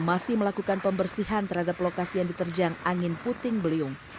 masih melakukan pembersihan terhadap lokasi yang diterjang angin puting beliung